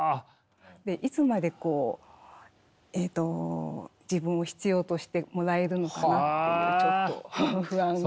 いつまで自分を必要としてもらえるのかなっていうのをちょっと不安がよぎって。